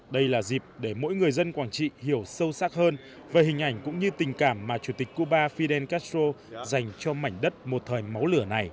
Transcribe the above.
đây là dịp để mỗi người dân quảng trị hiểu sâu sắc hơn về hình ảnh cũng như tình cảm mà chủ tịch cuba fidel castro dành cho mảnh đất một thời máu lửa này